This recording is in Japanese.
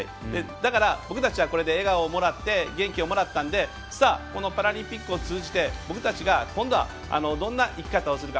だから僕たちはこれで笑顔をもらって元気をもらったのでこのパラリンピックを通じて僕たちが今度はどんな生き方をするか。